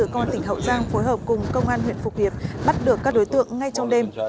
công an tỉnh hậu giang phối hợp cùng công an huyện phục hiệp bắt được các đối tượng ngay trong đêm